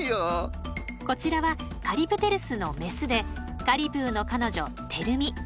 こちらはカリプテルスのメスでカリプーの彼女てる美。